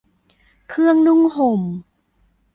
เครื่องนุ่งห่ม